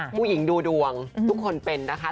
ผู้หญิงดูดวงทุกคนเป็นนะคะ